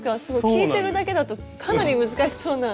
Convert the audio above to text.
聞いてるだけだとかなり難しそうな。